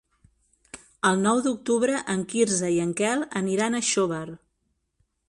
El nou d'octubre en Quirze i en Quel aniran a Xóvar.